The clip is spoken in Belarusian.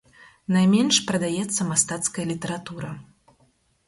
Найменш прадаецца мастацкая літаратура.